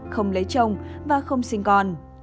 không lấy chồng và không sinh con